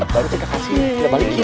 baru kita kasih kita balikin